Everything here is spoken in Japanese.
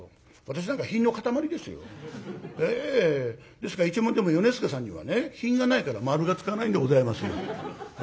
ですから一門でも米助さんにはね品がないから「丸」が付かないんでございますよ。